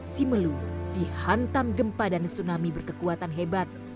simelu dihantam gempa dan tsunami berkekuatan hebat